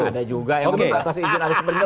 ada juga yang mengatakan izin atas perintah